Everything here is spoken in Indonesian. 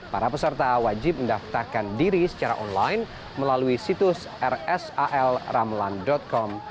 para peserta wajib mendaftarkan diri secara online melalui situs rsalramelan com